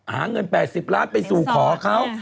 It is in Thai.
หาเงิน๘๐ล้านไปสู่ขอเขา